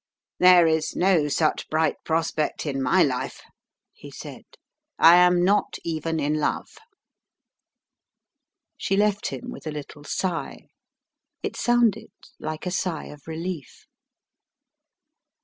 "There is no such bright prospect in my life," he said. "I am not even in love." She left him with a little sigh. It sounded like a sigh of relief.